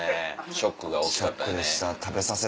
ショックが大きかったんやね。